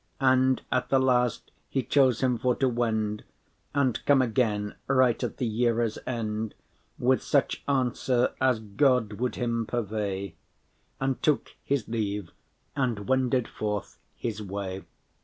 And at the last he chose him for to wend,* *depart And come again, right at the yeare’s end, With such answer as God would him purvey:* *provide And took his leave, and wended forth his way.